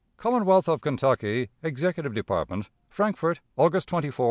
"Commonwealth of Kentucky, Executive Department, "Frankfort, August 24, 1861.